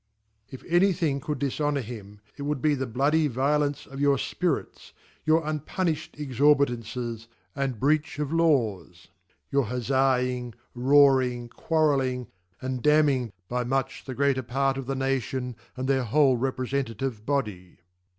If any thing could dijhonour him, it would \ be_ the llottdy w oknee of your Spirits , your unpunijhed Exorbitances , and breach cj Laws $ your Huzzaing, Roaring, Quarrelling, and "Damning by much the greater part of the Nation, and their whole Representative Body.